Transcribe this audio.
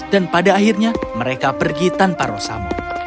dan pada akhirnya mereka pergi tanpa rosamon